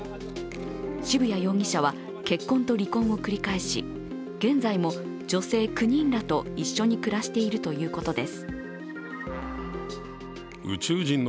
渋谷容疑者は結婚と離婚を繰り返し、現在も女性９人らと一緒に暮らしているということです。